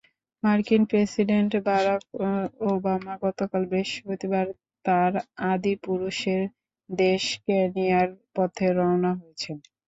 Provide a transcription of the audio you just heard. মার্কিন president Barack Obama গতকাল বৃহস্পতিবার তাঁর আদিপুরুষের দেশ কেনিয়ার পথে রওনা হয়েছেন।